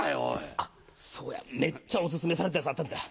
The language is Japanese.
あっそうやめっちゃオススメされたやつあったんだ。